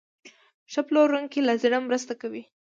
ښه پلورونکی له زړه مرسته کوي.